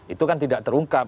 itu kan tidak terungkap